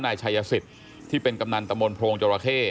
นายชายสิตที่เป็นกำนันตะมนต์โพงจราเข้